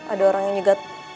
ada orang yang nyeget